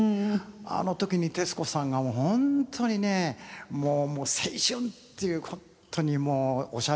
あの時に徹子さんが本当にねもう青春っていう本当にもうおしゃべりなさって。